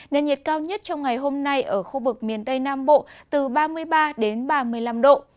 nền nhiệt cao nhất trong ngày hôm nay ở khu vực miền tây nam bộ từ ba mươi ba đến ba mươi năm độ